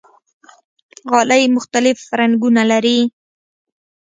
غالۍ مختلف رنګونه لري.